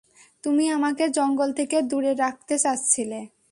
তুমি আমাকে জঙ্গল থেকে দূরে রাখতে চাচ্ছিলে।